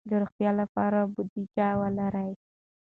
د روغتیا لپاره بودیجه ولرئ.